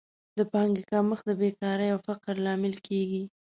د پانګې کمښت د بېکارۍ او فقر لامل کیږي.